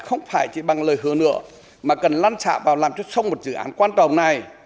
không phải chỉ bằng lời hứa nữa mà cần lan trạm vào làm chút sông một dự án quan trọng này